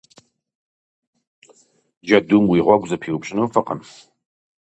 Джэдум уи гъуэгу зэпиупщӏыну фӏыкъым.